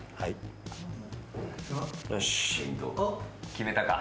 決めたか。